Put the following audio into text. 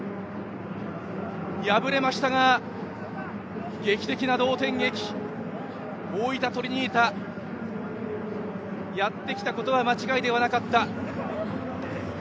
敗れましたが、劇的な同点劇。大分トリニータやってきたことは間違いではなかった。